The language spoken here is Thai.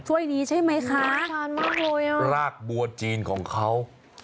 ช่วยนี้ใช่ไหมคะรากบัวจีนของเขาทานมากเลย